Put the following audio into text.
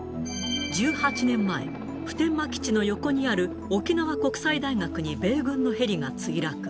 １８年前、普天間基地の横にある沖縄国際大学に米軍のヘリが墜落。